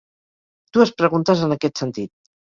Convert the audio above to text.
Dues preguntes en aquest sentit.